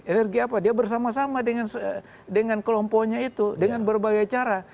energi apa dia bersama sama dengan kelompoknya itu dengan berbagai cara